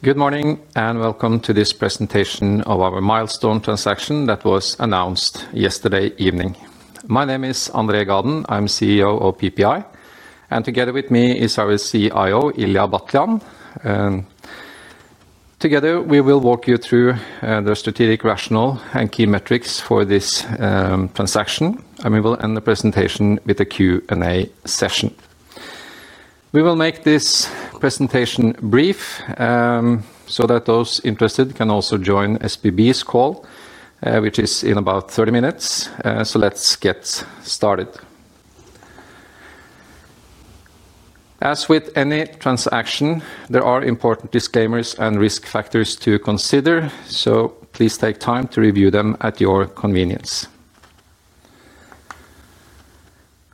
Good morning and welcome to this presentation of our milestone transaction that was announced yesterday evening. My name is André Gaden, I'm CEO of PPI and together with me is our CIO Ilija Batljan. Together we will walk you through the strategic rationale and key metrics for this transaction and we will end the presentation with a Q&A session. We will make this presentation brief so that those interested can also join SBB's call which is in about 30 minutes. Let's get started. As with any transaction, there are important disclaimers and risk factors to consider, so please take time to review them at your convenience.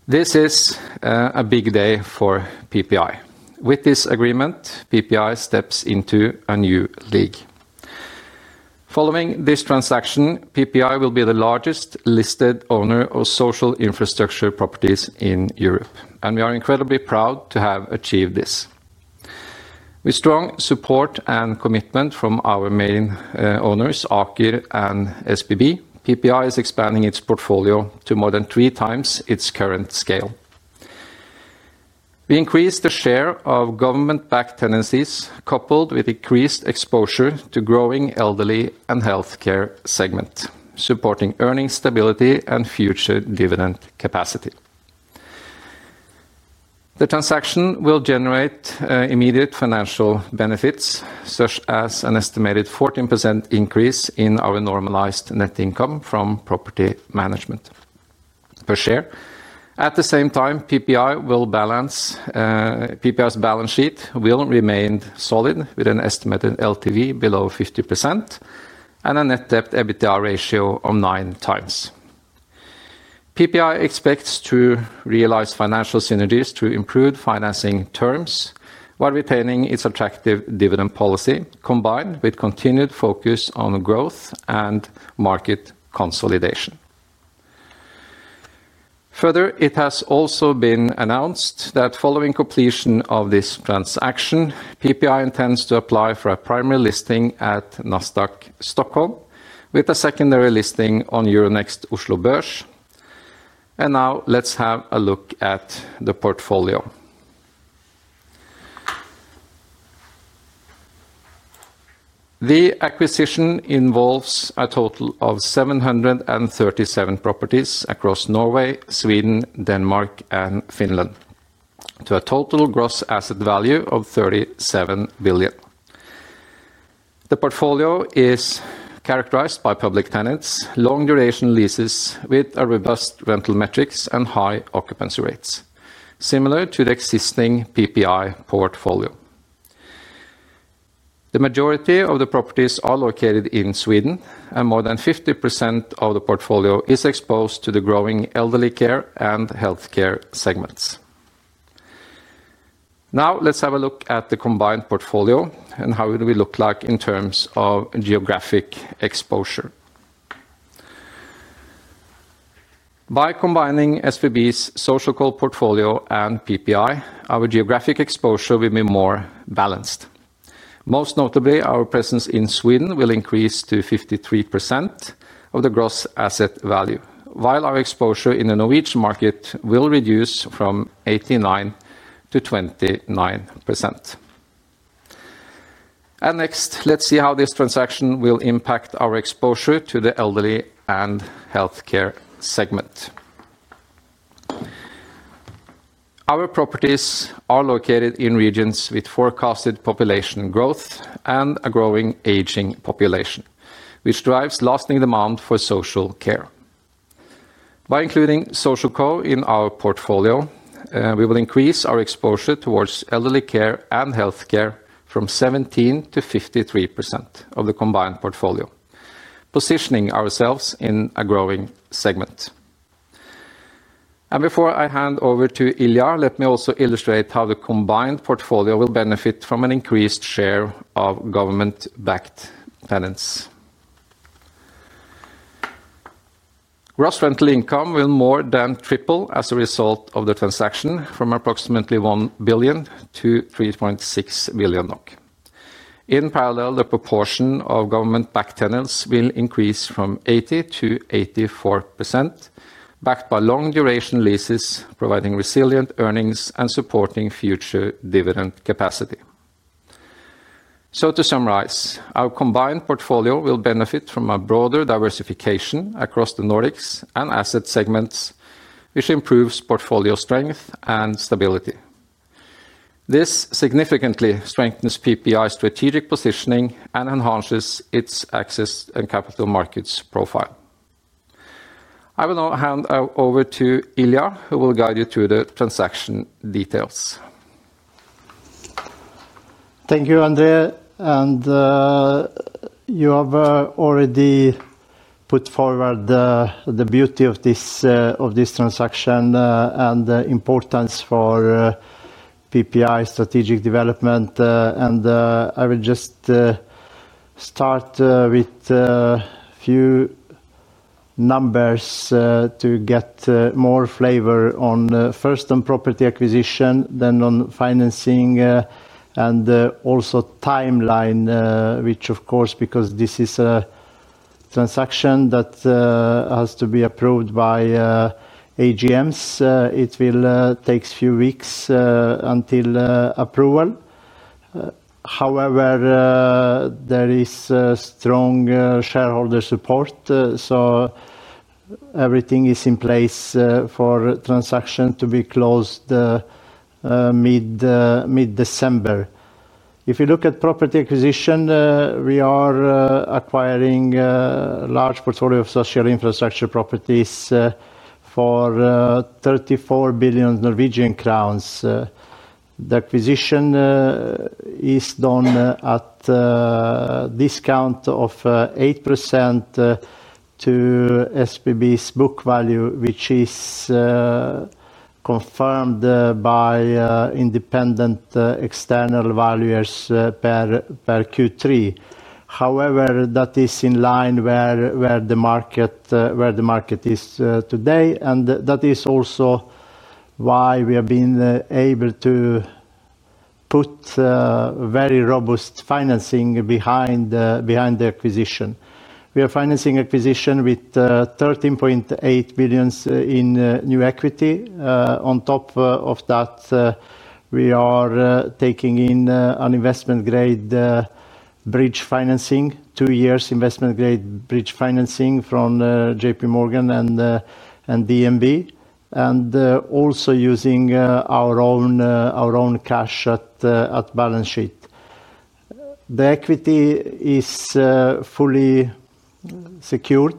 This is a big day for PPI. With this agreement, PPI steps into a new league. Following this transaction, PPI will be the largest listed owner of social infrastructure properties in Europe and we are incredibly proud to have achieved this. With strong support and commitment from our main owners Aker and SBB, PPI is expanding its portfolio to more than three times its current scale. We increased the share of government-backed tenancies coupled with increased exposure to the growing elderly and healthcare segment supporting earnings stability and future dividend capacity. The transaction will generate immediate financial benefits such as an estimated 14% increase in our normalized net income from property management per share. At the same time, PPI's balance sheet will remain solid with an estimated LTV below 50% and a net debt to EBITDA ratio of 9x. PPI expects to realize financial synergies to improve financing terms while retaining its attractive dividend policy combined with continued focus on growth and market consolidation. Further, it has also been announced that following completion of this transaction, PPI intends to apply for a primary listing at Na Stockholm with a secondary listing on Euronext Oslo Børs. Now let's have a look at the portfolio. The acquisition involves a total of 737 properties across Norway, Sweden, Denmark, and Finland to a total gross asset value of 37 billion. The portfolio is characterized by public tenants, long duration leases with robust rental metrics and high occupancy rates similar to the existing PPI portfolio. The majority of the properties are located in Sweden and more than 50% of the portfolio is exposed to the growing elderly care and healthcare segments. Now let's have a look at the combined portfolio and how it will look like in terms of geographic exposure. By combining SBB's social infrastructure portfolio and PPI, our geographic exposure will be more balanced. Most notably, our presence in Sweden will increase to 53% of the gross asset value while our exposure in the Norwegian market will reduce from 89% to 29%. Next, let's see how this transaction will impact our exposure to the elderly and healthcare segment. Our properties are located in regions with forecasted population growth and a growing aging population which drives lasting demand for social care. By including social infrastructure in our portfolio, we will increase our exposure towards elderly care and healthcare from 17% to 53% of the combined portfolio, positioning ourselves in a growing segment. Before I hand over to Ilija Batljan, let me also illustrate how the combined portfolio will benefit from an increased share of government-backed tenants. Gross rental income will more than triple as a result of the transaction from approximately 1 billion-3.6 billion NOK. In parallel, the proportion of government-backed tenants will increase from 80% to 84% backed by long-duration leases, providing resilient earnings and supporting future dividend capacity. To summarize, our combined portfolio will benefit from broader diversification across the Nordics and asset segments, which improves portfolio strength and stability. This significantly strengthens PPI's strategic positioning and enhances its access and capital markets profile. I will now hand over to Ilija, who will guide you through the transaction details. Thank you, André. You have already put forward the beauty of this transaction and the importance for PPI strategic development. I will just start with a few numbers to get more flavor on. First on property acquisition, then on financing and also timeline, which of course because this is a transaction that has to be approved by AGMs, it will take a few weeks until approval. However, there is strong shareholder support. Everything is in place for the transaction to be closed mid December. If you look at property acquisition, we are acquiring a large portfolio of social infrastructure properties for 34 billion Norwegian crowns. The acquisition is done at a discount of 8% to SBB's book value, which is confirmed by independent external valuers per Q3. However, that is in line with where the market is today. That is also why we have been able to put very robust financing behind the acquisition. We are financing the acquisition with 13.8 billion in new equity. On top of that we are taking in an investment grade bridge financing. Two years investment grade bridge financing from JPMorgan and DNB. Also using our own cash at balance sheet. The equity is fully secured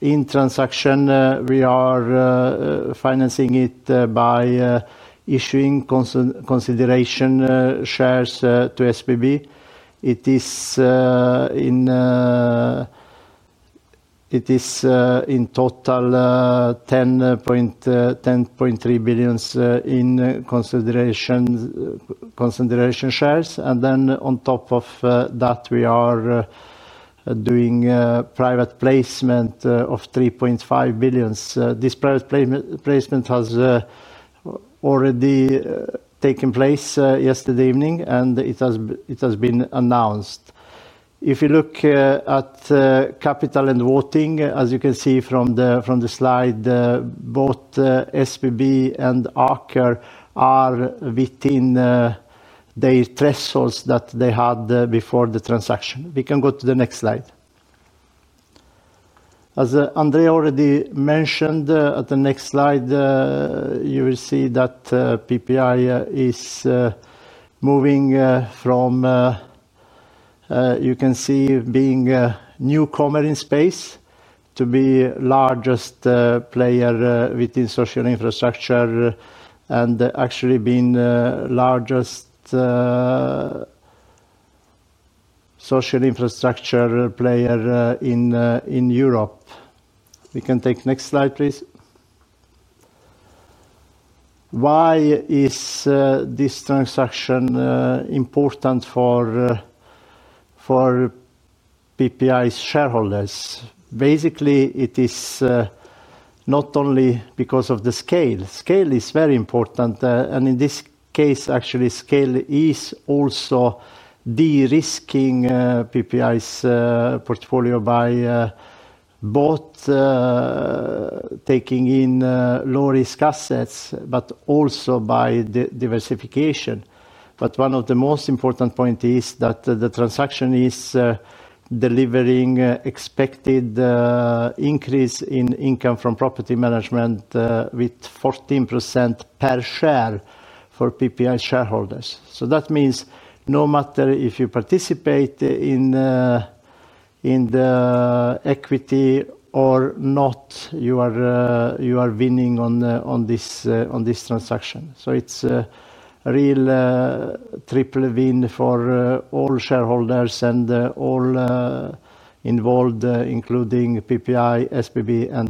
in the transaction. We are financing it by issuing consideration shares to SBB. It is in total 10.3 billion in consideration shares. Then on top of that we are doing private placement of 3.5 billion. This private placement has already taken place yesterday evening and it has been announced. If you look at capital and voting as you can see from the slide, both SBB and Aker are within the thresholds that they had before the transaction. We can go to the next slide. As André already mentioned, at the next slide you will see that PPI is moving from, you can see, being newcomer in space to be largest player within social infrastructure and actually being largest social infrastructure player in Europe. We can take next slide please. Why is this transaction important for PPI shareholders? Basically it is not only because of the scale. Scale is very important and in this case actually scale is also de-risking PPI's portfolio by both taking in low risk assets but also by diversification. One of the most important point is that the transaction is delivering expected increase in income from property management with 14% per share for PPI shareholders. That means no matter if you participate in in the equity or not, you are winning on this transaction. is a real triple win for all shareholders and all involved including PPI, SBB, and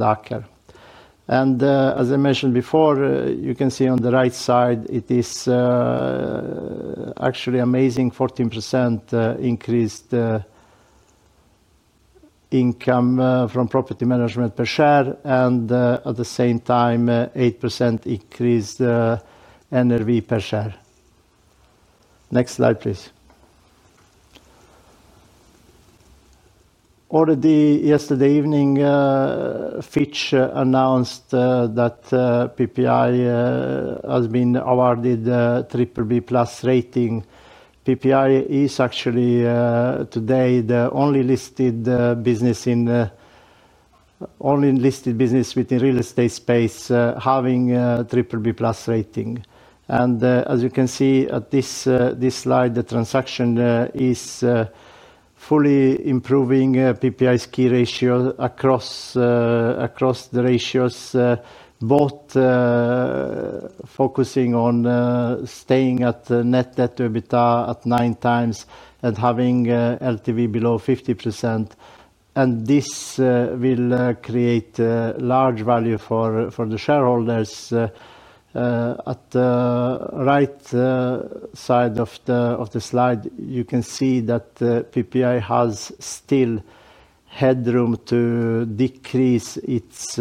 Aker. As I mentioned before, you can see on the right side it is actually an amazing 14% increased income from property management per share and at the same time 8% increased NRV per share. Next slide please. Already yesterday evening Fitch announced that PPI has been awarded a BBB rating. PPI is actually today the only listed business within the real estate space having a BBB rating. As you can see at this slide, the transaction is fully improving PPI's key ratio across the ratios, both focusing on staying at net debt to EBITDA at nine times and having LTV below 50%. This will create large value for the shareholders. At the right side of the slide you can see that PPI has still headroom to decrease its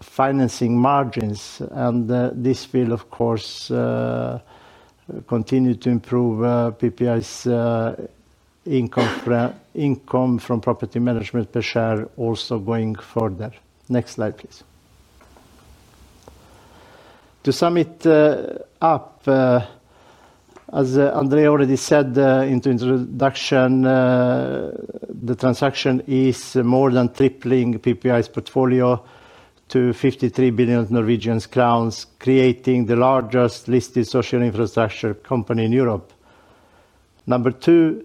financing margins and this will of course continue to improve PPI's income from property management per share. Also going further, next slide please. To sum it up, as André already said in the introduction, the transaction is more than tripling PPI's portfolio to 53 billion Norwegian crowns, creating the largest listed social infrastructure company in Europe. Number two,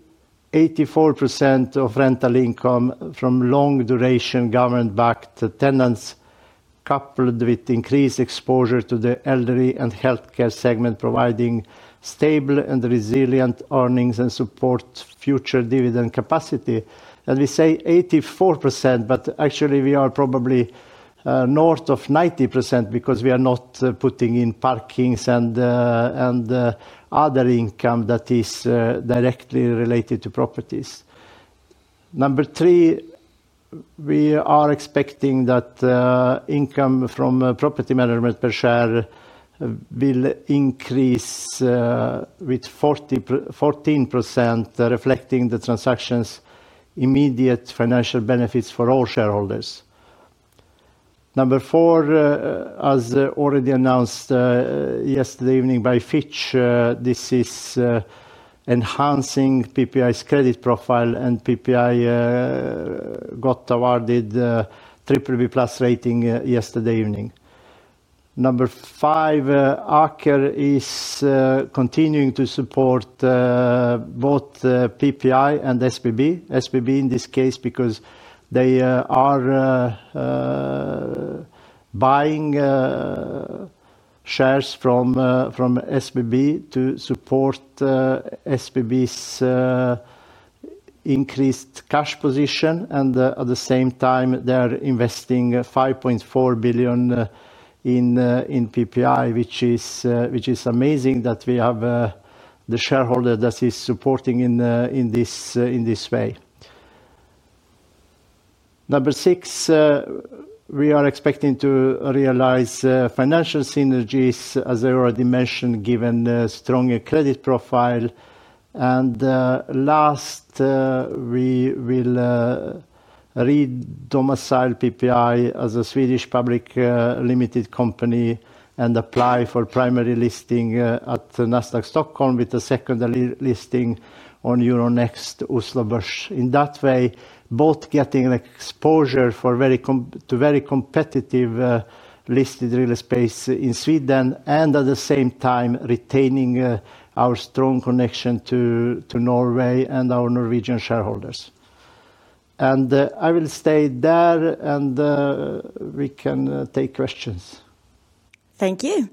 84% of rental income from long duration government-backed tenants coupled with increased exposure to the elderly and healthcare segment, providing stable and resilient earnings and support future dividend capacity. We say 84% but actually we are probably north of 90% because we are not putting in parkings and other income that is directly related to properties. Number three, we are expecting that income from property management per share will increase with 14% reflecting the transaction's immediate financial benefits for all shareholders. Number four, as already announced yesterday evening by Fitch, this is enhancing PPI's credit profile and PPI got awarded rating yesterday evening. Number five, Aker is continuing to support both PPI and SBB. SBB in this case because they are buying shares from SBB to support SBB's increased cash position. At the same time they are investing 5.4 billion in PPI, which is amazing that we have the shareholder that is supporting in this way. Number six, we are expecting to realize financial synergies, as I already mentioned, given the stronger credit profile. Last, we will redomicile PPI as a Swedish public limited company and apply for primary listing at Nasdaq Stockholm with a secondary listing on Euronext Oslo Børs. In that way, both getting exposure to very competitive listed real estate in Sweden and at the same time retaining our strong connection to Norway and our Norwegian shareholders. I will stay there and we can take questions. Thank you.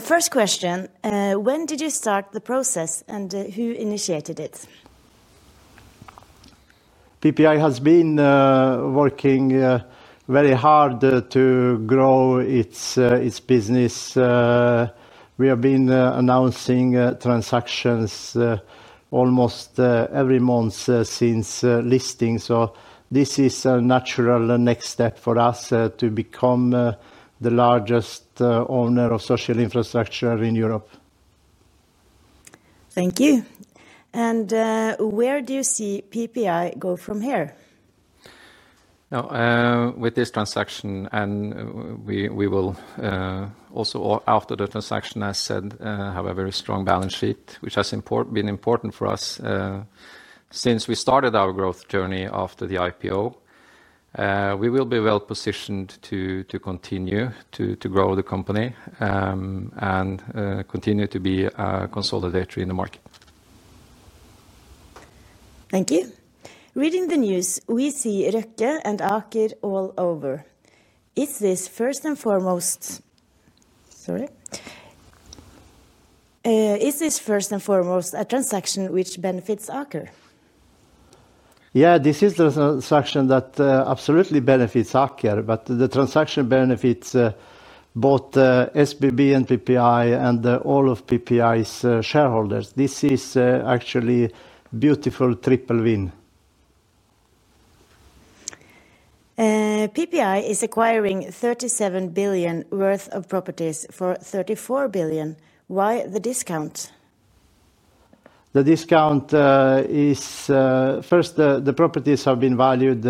First question, when did you start the process and who initiated it? PPI has been working very hard to grow its business. We have been announcing transactions almost every month since listing. This is a natural next step for us to become the largest owner of social infrastructure in Europe. Thank you. Where do you see PPI go from here? With this transaction? We will also, after the transaction, as said, have a very strong balance sheet, which has been important for us since we started our growth journey after the IPO. We will be well positioned to continue to grow the company and continue to be a consolidator in the market. Thank you. Reading the news, we see Rekka and Aker all over. Is this first and foremost. Sorry, is this first and foremost a transaction which benefits occur? Yeah, this is the transaction that absolutely benefits Aker. The transaction benefits both SBB and PPI and all of PPI's shareholders. This is actually beautiful. Triple win. PPI is acquiring 37 billion worth of properties for 34 billion. Why the discount? The discount is first, the properties have been valued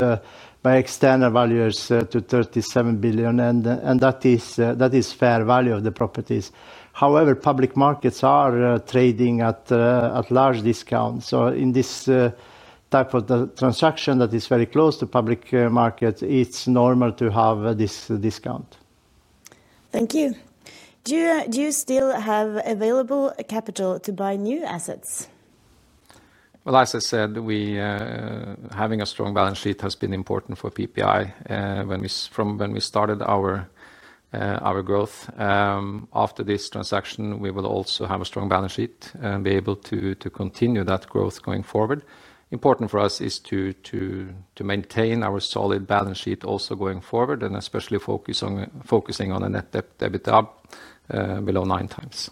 by external valuers to 37 billion and that is fair value of the properties. However, public markets are trading at large discounts. In this type of transaction that is very close to public market, it's normal to have this discount. Thank you. Do you still have available capital to buy new assets? As I said, having a strong balance sheet has been important for PPI from when we started our growth. After this transaction, we will also have a strong balance sheet and be able to continue that growth going forward. Important for us is to maintain our solid balance sheet also going forward and especially focus on focusing on a net debt to EBITDA below 9x.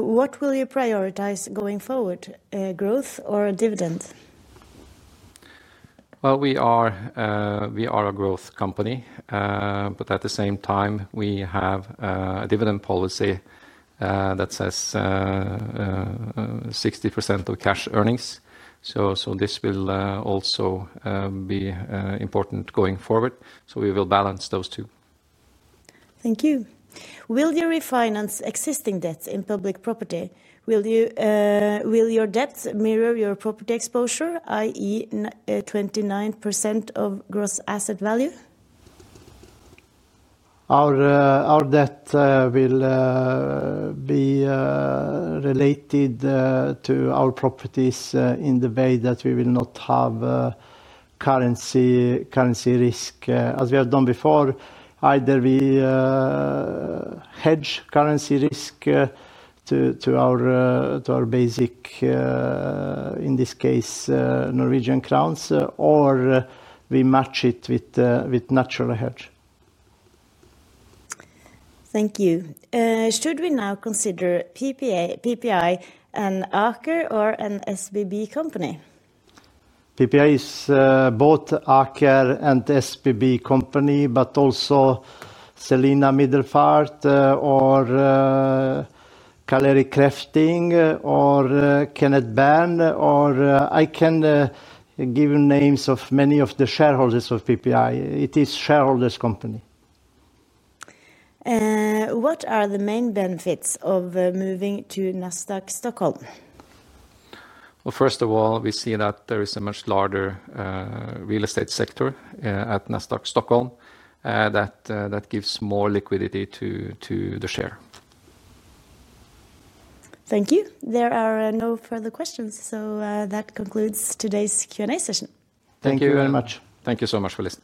What will you prioritize going forward? Growth or dividend? We are a growth company, but at the same time we have a dividend policy that says 60% of cash earnings. This will also be important going forward. We will balance those two. Thank you. Will you refinance existing debts in Public Property Invest? Will your debts mirror your property exposure, that is 29% of gross asset value? Our debt will be related to our properties in the way that we will not have currency risk as we have done before. Either we hedge currency risk to our basic, in this case Norwegian krone, or we match it with natural hedge. Thank you. Should we now consider PPI an Aker or an SBB company? PPI is both Aker and SBB company but also Celina Midelfart or Kåre Krog or Kenneth Bjørn or I can give names of many of the shareholders of PPI. It is shareholders company. What are the main benefits of moving to Nasdaq Stockholm? First of all, we see that there is a much larger real estate sector at Nasdaq Stockholm that gives more liquidity to the share. Thank you. There are no further questions. That concludes today's Q&A session. Thank you very much. Thank you so much for listening.